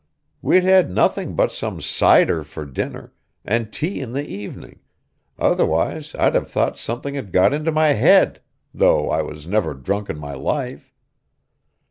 We'd had nothing but some cider for dinner, and tea in the evening, otherwise I'd have thought something had got into my head, though I was never drunk in my life.